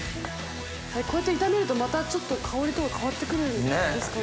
こうやって炒めるとまた香りとか変わって来るんですかね。